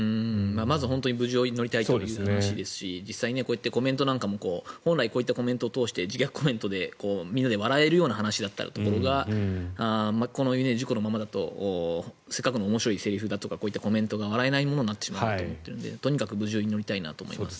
まず本当に無事を祈りたいという話ですし実際こうやってコメントなんかも本来こういったコメントを通して自虐コメントでみんなで笑えるような話だったところがこのままだとせっかくの面白いセリフだとかこういったコメントが笑えないものになると思うのでとにかく無事を祈りたいと思います。